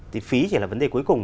thì phí chỉ là vấn đề cuối cùng